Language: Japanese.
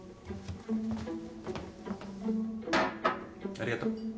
ありがとう。